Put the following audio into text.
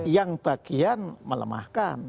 yang bagian melemahkan